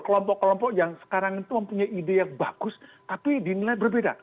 kelompok kelompok yang sekarang itu mempunyai ide yang bagus tapi dinilai berbeda